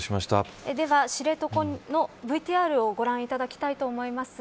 では、知床のＶＴＲをご覧いただきたいと思います。